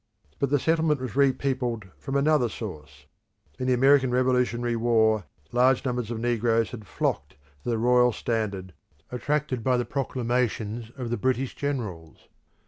But the settlement was re peopled from another source. In the American Revolutionary War, large numbers of negroes had flocked to the royal standard, attracted by the proclamations of the British generals.